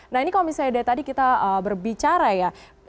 nah ini kalau misalnya dari tadi kita berbicara ya